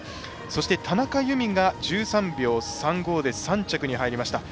そして、田中佑美が１３秒３５で３着に入りました。